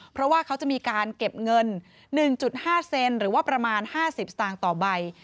เพราะว่าเขาจะมีการเก็บเงิน๑๕เซนหรือว่าประมาณ๕๐สตางค์ต่อใบ